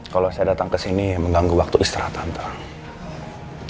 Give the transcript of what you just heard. kalau saya datang kesini mengganggu waktu istirahat tante